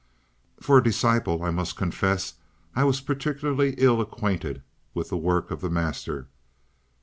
For a disciple I must confess I was particularly ill acquainted with the works of the master.